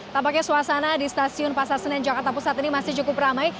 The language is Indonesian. tampaknya suasana di stasiun pasar senen jakarta pusat ini masih cukup ramai